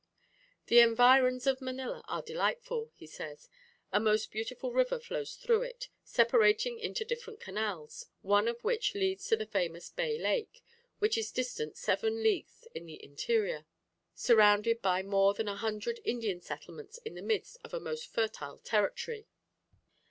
"The environs of Manila are delightful," he says. "A most beautiful river flows through it, separating into different canals, one of which leads to the famous Bay Lake, which is distant seven leagues in the interior, surrounded by more than a hundred Indian settlements in the midst of a most fertile territory.